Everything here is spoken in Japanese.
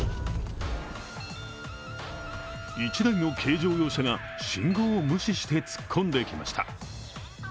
１台の軽乗用車が信号を無視して突っ込んできました。